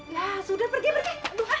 ya sudah pergi pergi